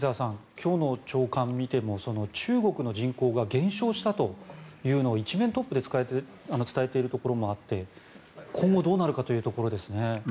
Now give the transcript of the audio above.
今日の朝刊を見ても中国の人口が減少したというのを一面トップで伝えているところもあって今後、どうなるかというところですね。